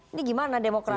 ini gimana demokrasi